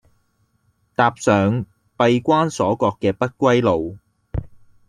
踏上閉關鎖國嘅不歸路